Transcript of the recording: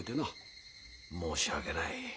申し訳ない。